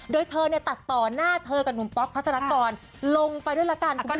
โดยเธอเนี่ยตัดต่อหน้าเธอกับนุ้มป๊อกเค้าจะรักตอนลงไปด้วยแล้วกันคุณผู้ชม